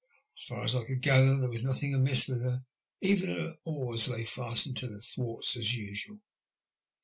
As far as I could gather, there was nothing amiss with her, even her oars lay fastened to the thwarts as usual.